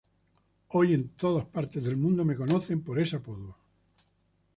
Hoy en todas partes del mundo me conocen por ese apodo"".